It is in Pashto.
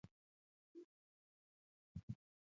فلم د ذهن رڼا ده